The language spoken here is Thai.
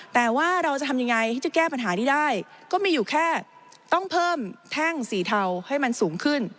แต่ว่าเราจะทำยังไงที่จะแก้ปัญหานี้ได้ก็มีอยู่แค่ต้องเพิ่มแท่งสีเทาให้มันสูงขึ้น